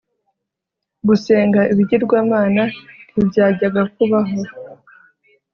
gusenga ibigirwamana ntibyajyaga kubaho